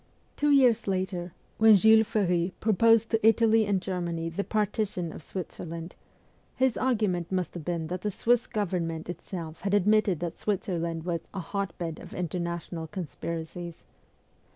Two years later, when Jules Ferry proposed to Italy and Germany the partition of Switzerland, his argument must have been that the Swiss Govern ment itself had admitted that Switzerland was ' a hotbed of international conspiracies.'